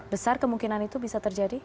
besar kemungkinan itu bisa terjadi